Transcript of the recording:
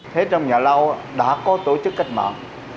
thế trong nhà lao đã có tổ chức cách mạng